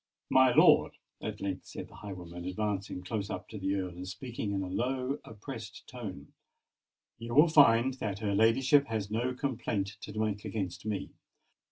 "My lord," at length said the highwayman, advancing close up to the Earl, and speaking in a low, oppressed tone, "you will find that her ladyship has no complaint to make against me.